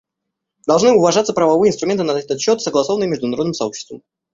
Должны уважаться правовые инструменты на этот счет, согласованные международным сообществом.